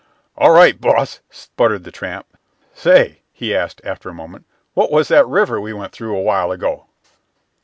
"All right, boss," sputtered the tramp. "Say," he asked after a moment, "what was that river we went through a while ago?"